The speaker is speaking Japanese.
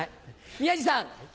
宮治さん。